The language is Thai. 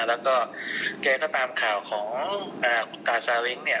แล้วก็แกก็ตามข่าวของคุณตาซาเล้งเนี่ย